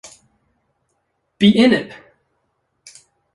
Be In It!